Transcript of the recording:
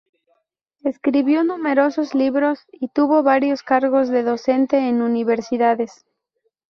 Escribió numerosos libros, y tuvo varios cargos de docente en Universidades.